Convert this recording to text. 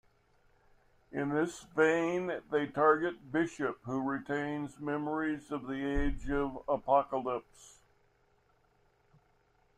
In this vein, they target Bishop, who retains memories from the Age of Apocalypse.